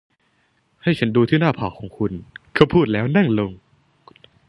ให้ฉันดูที่หน้าผากของคุณเขาพูดแล้วนั่งลง